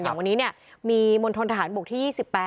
อย่างวันนี้เนี่ยมีมณฑนทหารบุคที่๒๘